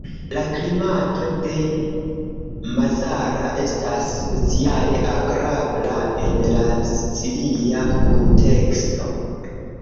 La klimato de Mazara estas speciale agrabla en la sicilia kunteksto.